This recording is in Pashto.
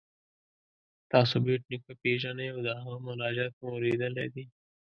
تاسو بېټ نیکه پيژنئ او د هغه مناجات مو اوریدلی دی؟